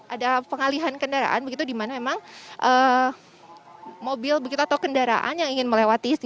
ada pengalihan kendaraan begitu di mana memang mobil begitu atau kendaraan yang ingin melewati